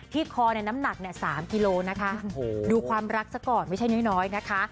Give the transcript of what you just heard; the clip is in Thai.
คอในน้ำหนัก๓กิโลนะคะดูความรักซะก่อนไม่ใช่น้อยนะคะ